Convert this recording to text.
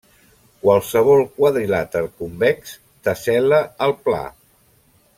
Qualsevol quadrilàter convex tessel·la el pla.